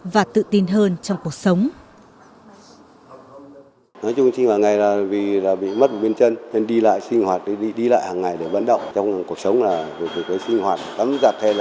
và tự tin hơn trong cuộc sống